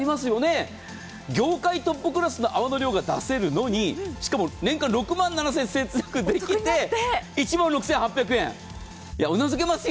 業界トップクラスの泡の量が出せるのに、しかも年間６万７０００円節約できるのに、うなずけますよ。